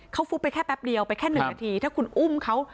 เขาฟุบไปแค่แป๊บเดียวไปแค่๑นาทีถ้าคุณอุ้มเขา